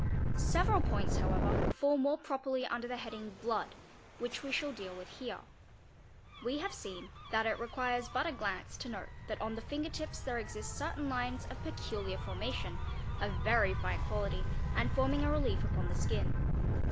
Several points however fall more properly under the heading " blood", which we shall deal with here. We have seen that it requires but a glance to note that on the finger tips there exist certain lines of peculiar formation, of very fine quality, and forming a relief upon the skin.